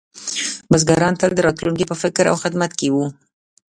بزګران تل د راتلونکي په فکر او خدمت کې وو.